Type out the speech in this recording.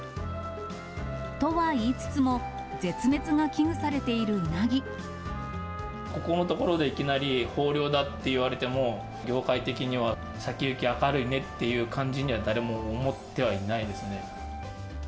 とは言いつつも、絶滅が危惧されここのところで、いきなり豊漁だって言われても、業界的には、先行き明るいねっていう感じには、誰も思ってはいないですね。